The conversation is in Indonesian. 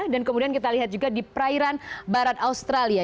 dan kemudian kita lihat juga di prairan barat australia